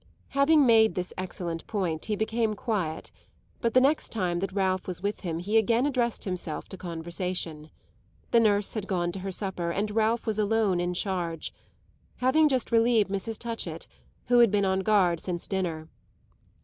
Having made this excellent point he became quiet; but the next time that Ralph was with him he again addressed himself to conversation. The nurse had gone to her supper and Ralph was alone in charge, having just relieved Mrs. Touchett, who had been on guard since dinner.